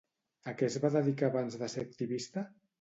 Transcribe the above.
A què es va dedicar abans de ser activista?